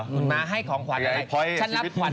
มาให้ของขวัญอะไร